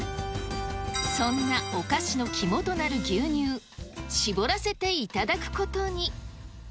そんなお菓子の肝となる牛乳、搾らせていただくことに。